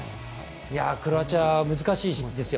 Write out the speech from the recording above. クロアチアは難しいですよ。